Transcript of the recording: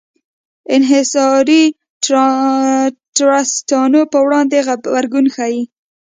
انحصاري ټرستانو پر وړاندې غبرګون ښيي.